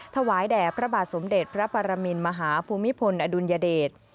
ถวายแด่พระบาทสมเด็จพระปรมินมหาภูมิพลอดุลยเดช